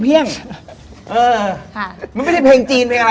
เพี้ยงเพี้๊ง